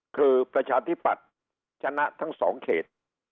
คือประชาธิบัตรชนะทั้งสองเขต